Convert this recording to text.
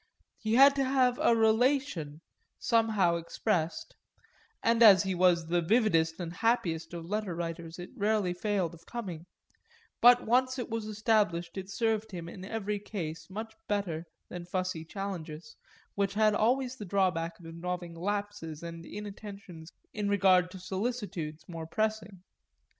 He had to have a relation, somehow expressed and as he was the vividest and happiest of letter writers it rarely failed of coming; but once it was established it served him, in every case, much better than fussy challenges, which had always the drawback of involving lapses and inattentions in regard to solicitudes more pressing.